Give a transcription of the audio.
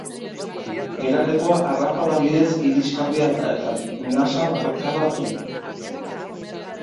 Geralekua arrapala bidez irisgarria da eta nasa bakarra du.